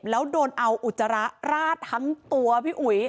แล้วโดนเอาอุจจาระราดทั้งตัวพี่อุ๋ย